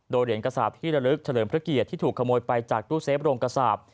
โดยเหรียญกระสาปที่ระลึกเฉลิมพระเกียรติที่ถูกขโมยไปจากตู้เซฟโรงกระสาป